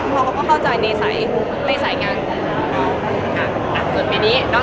เพราะเค้าเข้าใจในสายครุ่ง